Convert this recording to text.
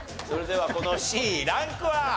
それではこのＣランクは？